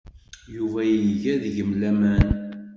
Yuba iga deg-m laman.